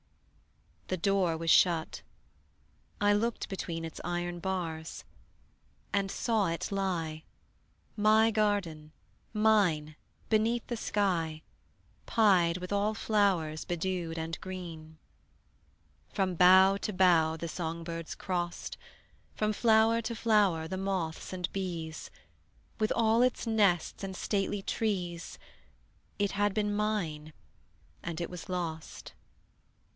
The door was shut. I looked between Its iron bars; and saw it lie, My garden, mine, beneath the sky, Pied with all flowers bedewed and green: From bough to bough the song birds crossed, From flower to flower the moths and bees; With all its nests and stately trees It had been mine, and it was lost.